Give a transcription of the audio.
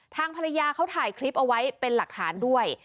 ทางภรรยาเขาถ่ายคลิปเอาไว้เป็นหลักฐานด้วย